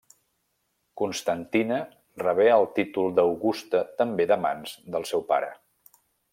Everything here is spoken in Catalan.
Constantina rebé el títol d'augusta també de mans del seu pare.